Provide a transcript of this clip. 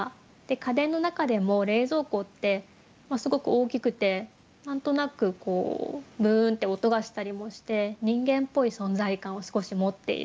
家電の中でも冷蔵庫ってすごく大きくて何となくこうブンって音がしたりもして人間っぽい存在感を少し持っている。